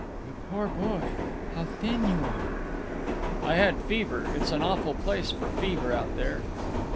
"You poor boy, how thin you are!" "I had fever. It's an awful place for fever out there."